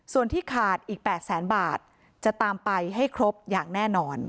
ส่วนที่ขาดอีก๘แสนบาทจะตามไปให้ครบอย่างแน่นอน